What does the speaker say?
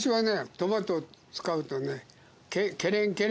トマトを使うとね。